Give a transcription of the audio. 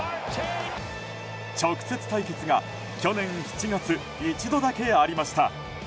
直接対決が去年７月一度だけありました。